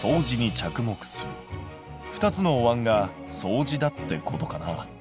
２つのおわんが相似だってことかな。